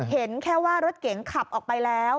เห็นแค่ว่ารถเก๋งขับออกไปแล้ว